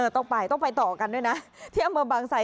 ต้องไปต้องไปต่อกันด้วยนะที่อำเภอบางไซ